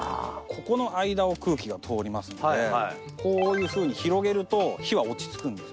ここの間を空気が通りますのでこういうふうに広げると火は落ち着くんですよ。